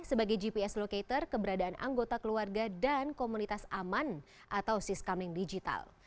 sebagai gps locator keberadaan anggota keluarga dan komunitas aman atau siscoming digital